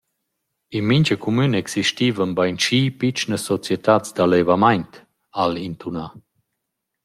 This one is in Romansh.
«In mincha cumün existivan bainschi pitschnas societats d’allevamaint», ha’l intunà.